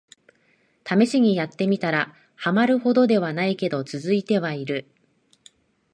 ためしにやってみたら、ハマるほどではないけど続いてはいる